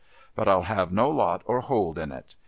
But I'll have no lot or hold in it.